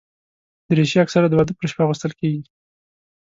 دریشي اکثره د واده پر شپه اغوستل کېږي.